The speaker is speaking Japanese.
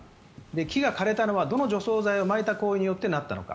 木が枯れたのはどの除草剤をまいた段階でなったのか。